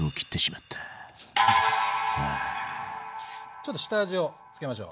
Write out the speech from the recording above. ちょっと下味を付けましょう。